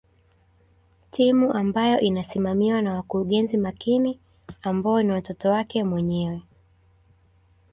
Timu ambayo inasimamiwa na wakurugenzi makini ambao ni watoto wake mwenyewe